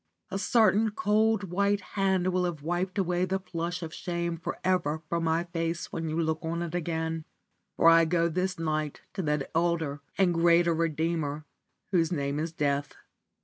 A certain cold white hand will have wiped away the flush of shame for ever from my face when you look on it again, for I go this night to that elder and greater redeemer whose name is death.